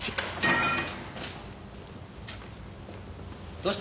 どうした？